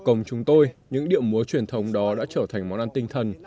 học công chúng tôi những điệu múa truyền thống đó đã trở thành món ăn tinh thần